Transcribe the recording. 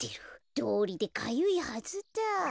どうりでかゆいはずだ。